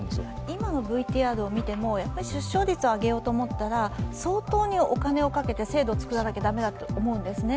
今のＶＴＲを見ても出生率を上げようと思ったら相当にお金をかけて制度を作らなきゃ駄目だと思うんですね。